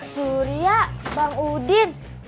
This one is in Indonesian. surya bang udin